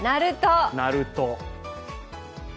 なると。